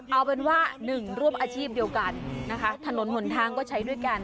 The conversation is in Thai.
เอาเป็นว่าหนึ่งร่วมอาชีพเดียวกันนะคะถนนหนทางก็ใช้ด้วยกัน